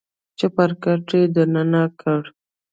چپرکټ يې دننه کړ.